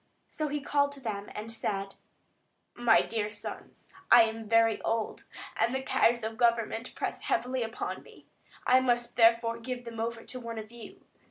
So he called them to him, and said: "My dear sons, I am very old, and the cares of government press heavily upon me. I must therefore give them over to one of you.